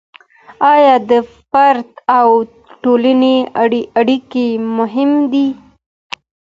آيا د فرد او ټولني اړيکي مهمې دي؟